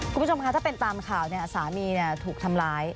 คุณผู้ชมค่ะถ้าเป็นตามข่าวเนี่ยสามีเนี่ยถูกทำร้าย